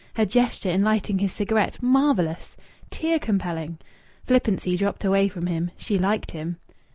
Her gesture in lighting his cigarette! Marvellous! Tear compelling!... Flippancy dropped away from him.... She liked him.